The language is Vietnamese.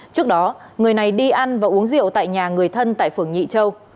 trước đó người này đi ăn và uống rượu tại nhà người thân tại phường nhị châu